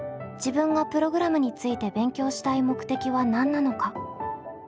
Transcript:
自分がプログラムについて勉強したい目的は何なのか。